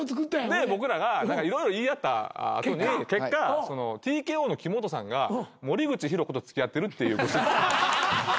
で僕らが色々言い合った後に結果ＴＫＯの木本さんが森口博子と付き合ってるっていうゴシップ。